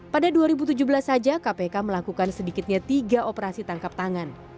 pada dua ribu tujuh belas saja kpk melakukan sedikitnya tiga operasi tangkap tangan